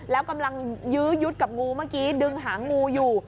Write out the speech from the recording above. แล้วกำลังยื้อยุดกับงูเมื่อกี้ดึงหางูอยู่